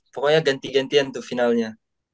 pokoknya ganti gantian tuh finalnya